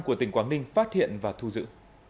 của tỉnh quảng ninh phát hiện và thu giữ